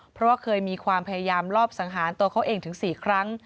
เพราะว่าเคยมีความพยายามลอบสังหารตัวเขาเองถึง๔ครั้ง